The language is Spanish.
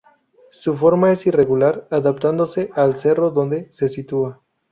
Su forma es irregular, adaptándose al cerro donde se sitúa.